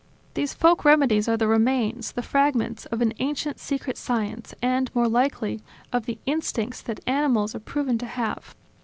These folk remedies are the remains, the fragments of an ancient, secret science, and, more likely, of the instincts that animals are proven to have.